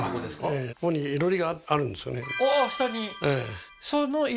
ええここに囲炉裏があるんですよね